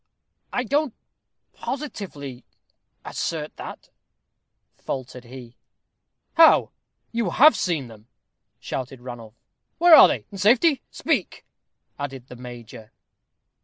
"I don't positively assert that," faltered he. "How! you have seen them?" shouted Ranulph. "Where are they? in safety speak!" added the major.